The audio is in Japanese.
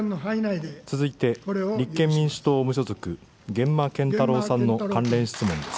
続いて立憲民主党・無所属、源馬謙太郎さんの関連質問です。